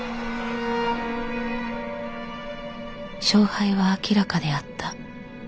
勝敗は明らかであった。